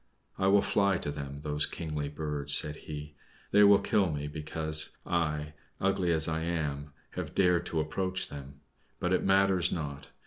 "I will fly to them, those kingly birds!" said he. "They will kill me, because I, ugly as I am, have dared to approach them. But it matters not.